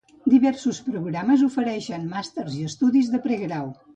Diversos programes ofereixen màsters i estudis de pregrau.